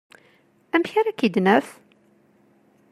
Amek ara k-id-naf?